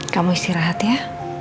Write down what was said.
kamu istirahat ya